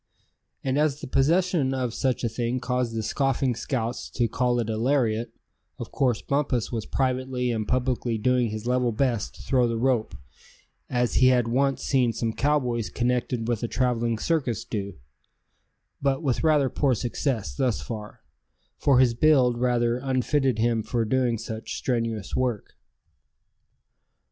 And as the possession of such a thing caused the scoffing scouts to call it a lariat, of course Bumpus was privately and publicly doing his level best to throw the rope, as he had once seen some cowboys connected with a traveling circus do; but with rather poor success thus far, for his build rather unfitted him for doing such strenuous work.